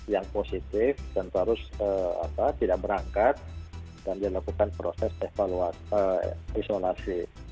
yang positif dan harus tidak berangkat dan dilakukan proses isolasi